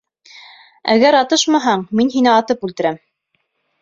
Әгәр атышмаһаң, мин һине атып үлтерәм!